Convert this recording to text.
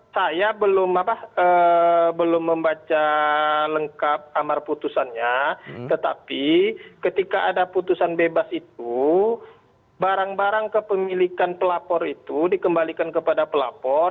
saya belum membaca lengkap amar putusannya tetapi ketika ada putusan bebas itu barang barang kepemilikan pelapor itu dikembalikan kepada pelapor